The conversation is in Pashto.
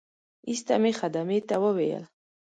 ایسته مې خدمې ته وویل.